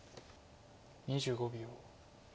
２５秒。